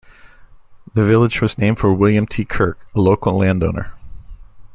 The village was named for William T. Kirk, a local landowner.